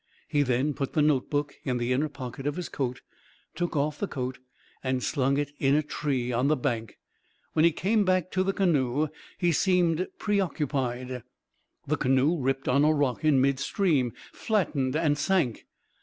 He then put the note book in the inner pocket of his coat, took off the coat, and slung it in a tree on the bank. When he came back to the canoe, he seemed preoccupied. The canoe ripped on a rock in midstream, flattened, and sank.